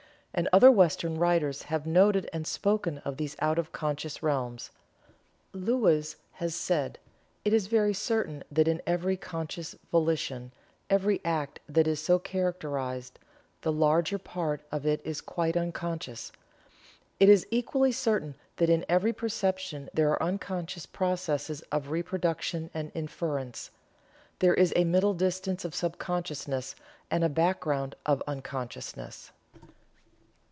And other Western writers have noted and spoken of these out of conscious realms. Lewes has said: "It is very certain that in every conscious volition every act that is so characterized the larger part of it is quite unconscious. It is equally certain that in every perception there are unconscious processes of reproduction and inference. There is a middle distance of sub consciousness, and a background of unconsciousness."